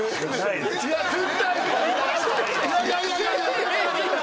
いやいやいやいや。